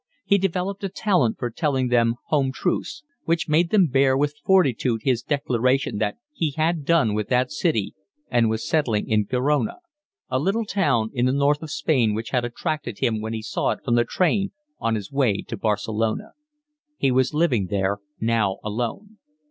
He developed a talent for telling them home truths, which made them bear with fortitude his declaration that he had done with that city and was settling in Gerona, a little town in the north of Spain which had attracted him when he saw it from the train on his way to Barcelona. He was living there now alone.